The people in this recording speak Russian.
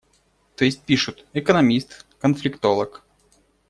То есть пишут: «Экономист, конфликтолог».